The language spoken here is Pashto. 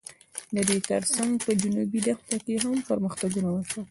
د دې تر څنګ په جنوبي دښته کې هم پرمختګونه وشول.